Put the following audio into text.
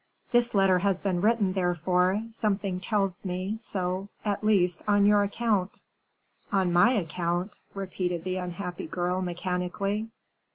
"This letter has been written, therefore, something tells me so, at least, on your account." "On my account?" repeated the unhappy girl, mechanically.